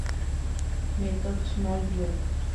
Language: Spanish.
Methods Mol Biol.